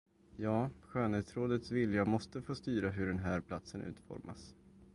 Ja, skönhetsrådets vilja måste få styra hur den här platsen utformas.